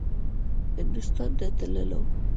هندوستان ته تلو.